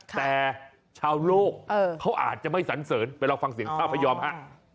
แต่ชาวโลกเขาอาจจะไม่สันเสริญไปลองฟังเสียงพระพยอมฮะ